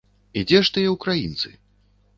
І дзе ж тыя ўкраінцы?